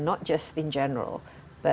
bukan hanya secara umum